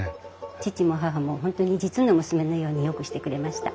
義父も義母も本当に実の娘のようによくしてくれました。